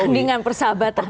pertandingan persahabatan oke